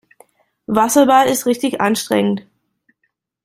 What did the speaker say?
Wasserball ist richtig anstrengend.